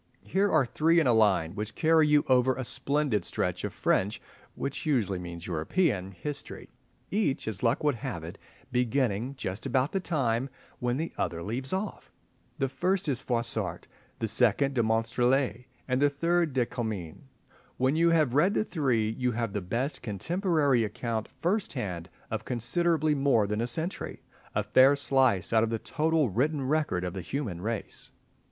Here are three in a line, which carry you over a splendid stretch of French (which usually means European) history, each, as luck would have it, beginning just about the time when the other leaves off. The first is Froissart, the second de Monstrelet, and the third de Comines. When you have read the three you have the best contemporary account first hand of considerably more than a century—a fair slice out of the total written record of the human race.